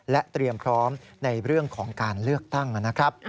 และเตรียมพร้อมในเรื่องของการเลือกตั้งนะครับ